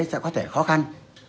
sẽ có thể khó khăn